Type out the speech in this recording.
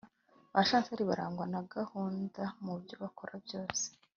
Ba Chantal barangwa na guhunda mu byo bakora byose